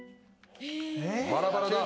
バラバラだ。